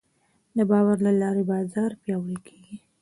د باور له لارې بازار پیاوړی کېږي.